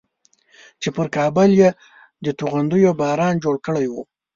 چې پر کابل یې د توغندیو باران جوړ کړی و.